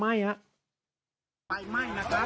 ทายไหม้นะครับ